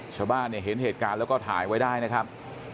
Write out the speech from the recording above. ชาวบ้านเนี่ยเห็นเหตุการณ์แล้วก็ถ่ายไว้ได้นะครับ